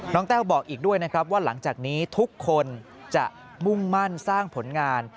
แต้วบอกอีกด้วยนะครับว่าหลังจากนี้ทุกคนจะมุ่งมั่นสร้างผลงาน